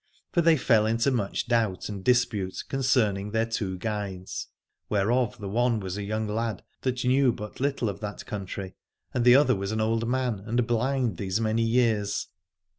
For they fell into much doubt and dispute concerning their two guides : whereof the one was a young lad that knew but little of that country, and the other was an old man and blind these many years.